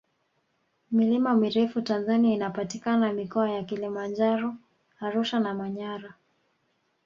milima mirefu tanzania inapatikana mikoa ya kilimanjaro arusha na manyara